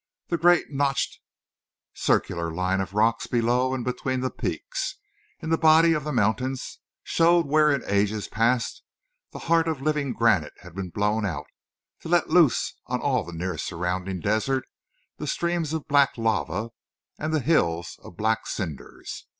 The great notched circular line of rock below and between the peaks, in the body of the mountains, showed where in ages past the heart of living granite had blown out, to let loose on all the near surrounding desert the streams of black lava and the hills of black cinders.